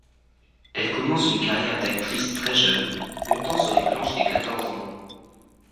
Elle commence une carrière d'actrice très jeune, montant sur les planches dès quatorze ans.